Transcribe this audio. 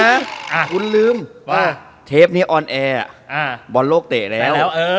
ว่าเทปนี้ออนแอร์บอลโลกเตะแล้ว